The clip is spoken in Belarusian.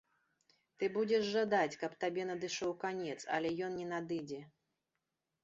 Ты будзеш жадаць, каб табе надышоў канец, але ён не надыдзе.